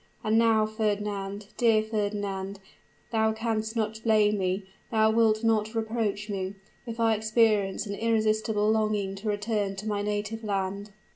And now, Fernand, dear Fernand, thou canst not blame me, thou wilt not reproach me, if I experience an irresistible longing to return to my native land?"